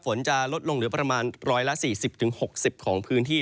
ฝนจะลดลงเหลือประมาณ๑๔๐๖๐ของพื้นที่